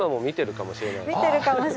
見てるかもしれない。